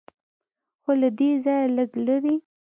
خو له دې ځایه لږ لرې.